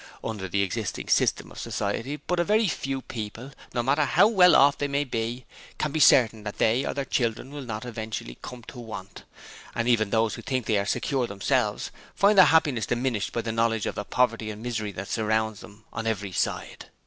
Under the existing system of society but a very few people, no matter how well off they may be, can be certain that they or their children will not eventually come to want; and even those who think they are secure themselves, find their happiness diminished by the knowledge of the poverty and misery that surrounds them on every side.